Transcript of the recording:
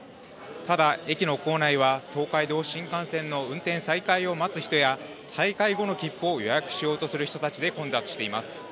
ただ駅の構内は東海道新幹線の運転再開を待つ人や再開後の切符を予約しようとする人たちで混雑しています。